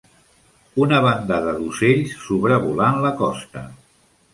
Una bandada d'ocells sobrevolant la costa.